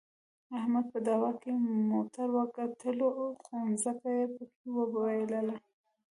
احمد په دعوا کې موټر وګټلو، خو ځمکه یې پکې د وباییلله.